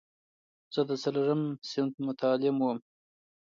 زه د څلورم صنف متعلم وم.